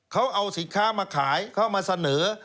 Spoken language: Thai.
เขาเอาสินค้ามาขายเขามาเสนอ